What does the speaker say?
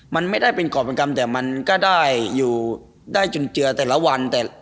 มันไม่ได้เป็นกรอบเป็นกรรมแต่มันก็ได้อยู่ได้จนเจือแต่ละวัน